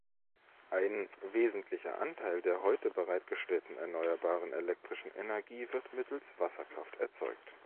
Ein wesentlicher Anteil der heute bereitgestellten erneuerbaren elektrischen Energie wird mittels Wasserkraft erzeugt.